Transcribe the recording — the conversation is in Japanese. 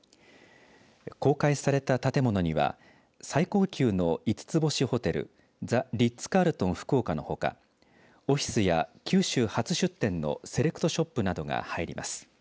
公開された建物には最高級の５つ星ホテルザ・リッツ・カールトン福岡のほかオフィスや九州初出店のセレクトショップなどが入ります。